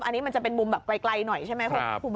อันนี้มันจะเป็นมุมแบบไกลหน่อยใช่ไหมครับ